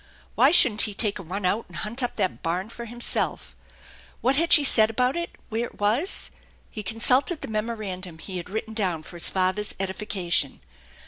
Why shouldn't he take a run out and hunt up that barn for himself ? What had she said about it, where it was ? He consulted the memorandum he had written down for his father's edification.